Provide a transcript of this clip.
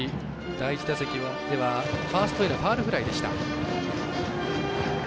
第１打席ではファーストへのファウルフライでした。